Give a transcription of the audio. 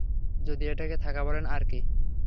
যদি এটাকে থাকা বলেন আরকি।